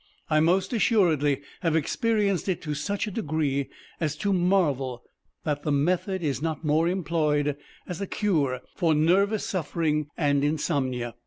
I most assuredly have experienced it to such a degree as to marvel that the method is not more employed as a cure for nervous suffering and insomnia.